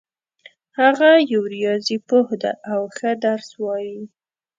هغه یو ریاضي پوه ده او ښه درس وایي